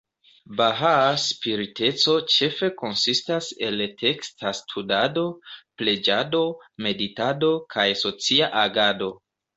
Bahaa spiriteco ĉefe konsistas el teksta studado, preĝado, meditado, kaj socia agado.